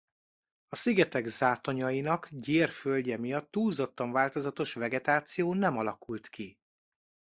A szigetek zátonyainak gyér földje miatt túlzottan változatos vegetáció nem alakult ki.